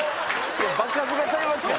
場数がちゃいますから。